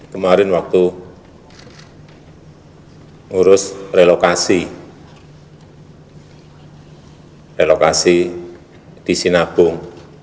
kemarin waktu ngurus relokasi relokasi di sinabung